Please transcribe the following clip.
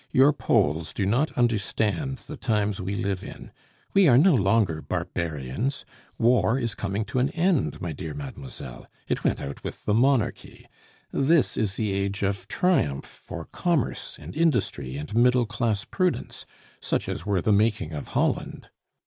Your Poles do not understand the times we live in; we are no longer barbarians. War is coming to an end, my dear mademoiselle; it went out with the Monarchy. This is the age of triumph for commerce, and industry, and middle class prudence, such as were the making of Holland.